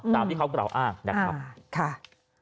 ตามที่เขากล่าวอ้างนะครับค่ะ